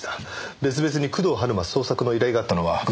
別々に工藤春馬捜索の依頼があったのは偶然です。